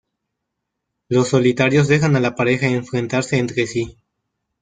Los Solitarios dejan a la pareja enfrentarse entre sí.